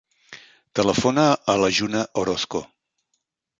Telefona a la Juna Orozco.